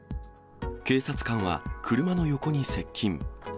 警察官は、車の横に接近。